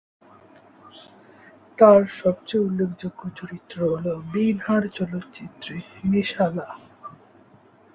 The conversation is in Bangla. তার সবচেয়ে উল্লেখযোগ্য চরিত্র হল "বেন-হার" চলচ্চিত্রে মেসালা।